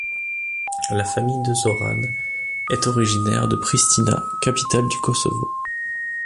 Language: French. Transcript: La famille de Zoran est originaire de Pristina, capitale du Kosovo.